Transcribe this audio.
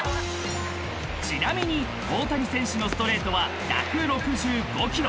［ちなみに大谷選手のストレートは１６５キロ］